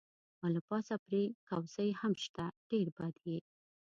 او له پاسه پرې کوسۍ هم شته، ډېر بد یې.